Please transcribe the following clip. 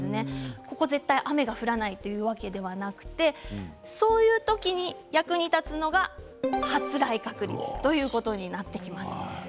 ここは絶対雨が降らないというわけではなくてそういう時に役に立つのが発雷確率ということになってきます。